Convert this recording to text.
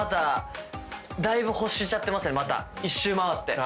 １周回って。